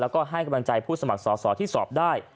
แล้วก็ให้กำลังใจผู้สมัครสอสอที่สอบได้